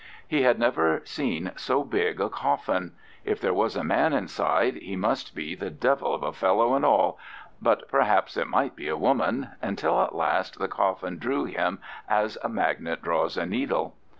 He had never seen so big a coffin; if there was a man inside he must be the "devil of a fellow and all," but perhaps it might be a woman—until at last the coffin drew him as a magnet draws a needle.